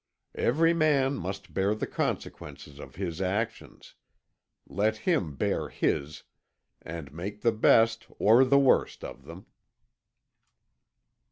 Every man must bear the consequences of his actions. Let him bear his, and make the best, or the worst, of them."